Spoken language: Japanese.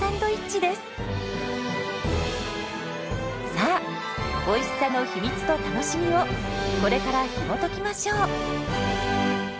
さあおいしさの秘密と楽しみをこれからひもときましょう！